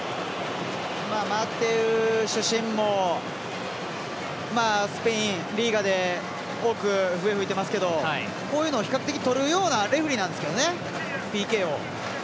マテウ主審もスペインリーガで多く笛を吹いていますけどこういうのは厳しく取るようなレフェリーなんですけどね。